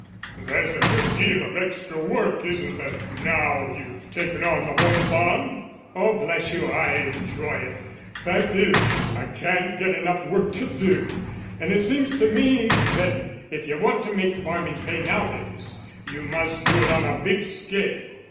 "There's a good deal of extra work, isn't there, now you've taken on the Home Farm?" "Oh, bless you, I enjoy it. Fact is, I can't get enough work to do. And it seems to me that if you want to make farming pay nowadays you must do it on a big scale."